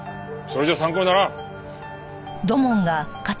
それじゃ参考にならん。